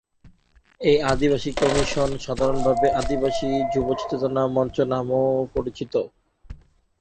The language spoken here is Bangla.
এই আদিবাসী কমিশন সাধারণভাবে আদিবাসী যুব চেতনা মঞ্চ নামেও পরিচিত।